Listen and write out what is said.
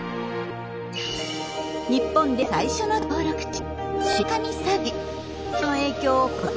日本で最初の登録地